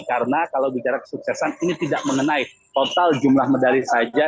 karena kalau bicara kesuksesan ini tidak mengenai total jumlah medali saja